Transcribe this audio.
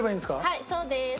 はいそうです。